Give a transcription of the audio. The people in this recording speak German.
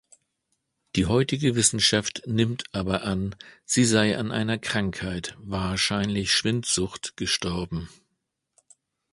Die heutige Wissenschaft nimmt aber an, sie sei an einer Krankheit, wahrscheinlich Schwindsucht, gestorben.